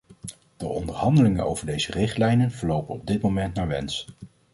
De onderhandelingen over deze richtlijnen verlopen op dit moment naar wens.